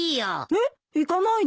えっ行かないのかい？